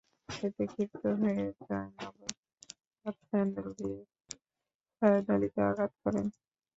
এতে ক্ষিপ্ত হয়ে জয়নবও তাঁর স্যান্ডেল দিয়ে ছায়েদ আলীকে আঘাত করেন।